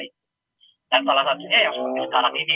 itu salah satunya yang seperti sekarang ini